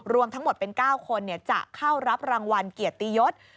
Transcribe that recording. รวมทั้งหมดเป็น๙คนจะเข้ารับรางวัลเกียรติยศ